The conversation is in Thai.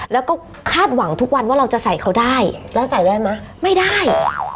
แล้วก็คาดหวังทุกวันว่าเราจะใส่เขาได้แล้วใส่ได้ไหมไม่ได้